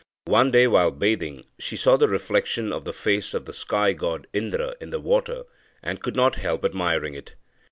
One day, while bathing, she saw the reflection of the face of the sky god, Indra, in the water, and could not help admiring it.